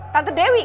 tante dewi kan